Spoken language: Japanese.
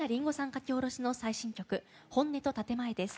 書き下ろしの最新曲「本音と建前」です。